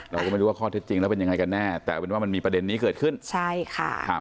เราก็ไม่รู้ว่าข้อเท็จจริงแล้วเป็นยังไงกันแน่แต่เอาเป็นว่ามันมีประเด็นนี้เกิดขึ้นใช่ค่ะครับ